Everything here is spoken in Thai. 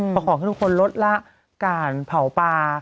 ก็ขอทุกคนลดละการเผาป่า